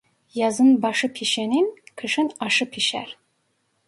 Yazın başı pişenin, kışın aşı pişer.